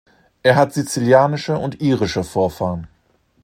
Er hat sizilianische und irische Vorfahren.